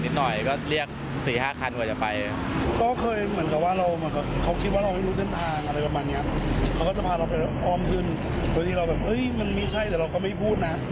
ตอนนี้เราแบบมันมีใช่แต่เราก็ไม่พูดนะ